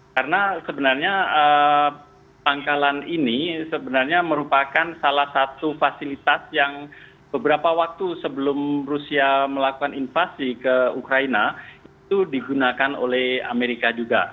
karena sebenarnya pangkalan ini sebenarnya merupakan salah satu fasilitas yang beberapa waktu sebelum rusia melakukan invasi ke ukraina itu digunakan oleh amerika juga